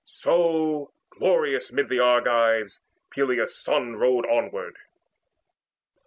So glorious, mid the Argives Peleus' son Rode onward.